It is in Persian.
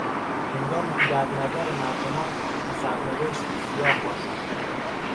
هنگامی که در نظر مردمان و سرنوشت روسیاه باشم...